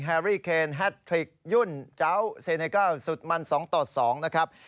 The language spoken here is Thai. แรรี่เคนแฮทริกยุ่นเจ้าเซเนเกิลสุดมัน๒ต่อ๒นะครับ